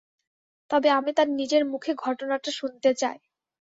তবে আমি তাঁর নিজের মুখে ঘটনাটা শুনতে চাই।